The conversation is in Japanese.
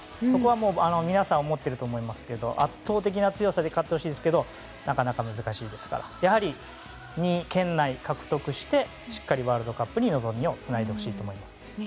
そこは皆さん思っていると思いますけど圧倒的な強さで勝ってほしいですけどなかなか難しいですからやはり２位圏内を獲得してしっかりワールドカップに望みをつないでほしいと思います。